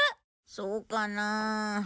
そうかなあ。